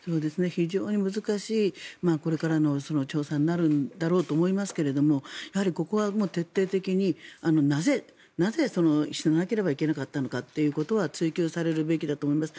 非常に難しいこれからの調査になるんだろうと思いますけどもやはりここは徹底的になぜ死ななければならなかったのかということは追及されるべきだと思います。